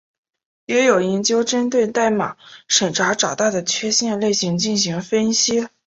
也有研究针对代码审查找到的缺陷类型进行分析。